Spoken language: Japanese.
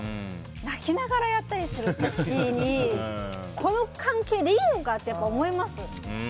泣きながらやったりする時にこの関係でいいのか？ってやっぱり思います。